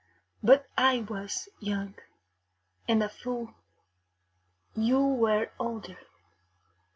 But I was young and a fool; you were older.